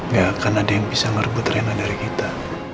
gak akan ada yang bisa merebut rena dari kita